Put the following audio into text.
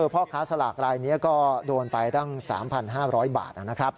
พ่อค้าสลากรายนี้ก็โดนไปตั้ง๓๕๐๐บาทนะครับ